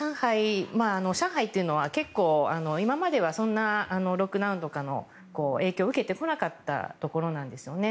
上海というのは結構、今まではそんなロックダウンとかの影響を受けてこなかったところなんですよね。